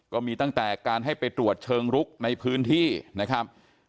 ก็มีตั้งแต่การให้ไปตรวจเชิงลุกในพื้นที่นะครับ